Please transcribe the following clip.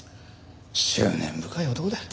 執念深い男だ。